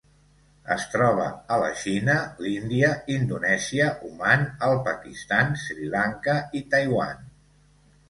Es troba a la Xina, l'Índia, Indonèsia, Oman, el Pakistan, Sri Lanka i Taiwan.